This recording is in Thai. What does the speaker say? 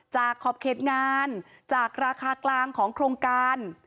ขอบเขตงานจากราคากลางของโครงการ